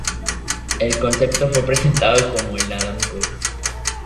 El concepto fue presentado como el Adam Cup.